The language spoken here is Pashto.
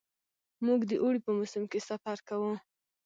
موږ د اوړي په موسم کې سفر کوو.